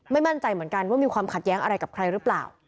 มั่นใจเหมือนกันว่ามีความขัดแย้งอะไรกับใครหรือเปล่า